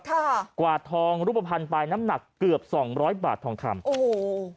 กวาดทองรูปภัณฑ์ไปน้ำหนักเกือบสองร้อยบาททองคำโอ้โห